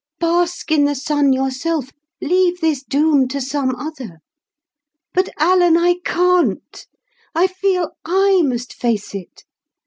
Bask in the sun yourself; leave this doom to some other.' But, Alan, I can't. I feel I must face it.